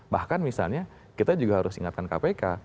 bahkan misalnya kita juga harus ingatkan kpk